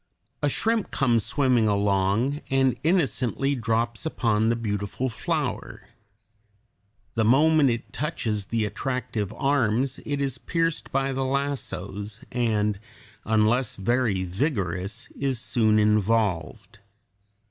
A shrimp comes swimming along, and innocently drops upon the beautiful flower. The moment it touches the attractive arms it is pierced by the lassos, and unless very vigorous is soon involved.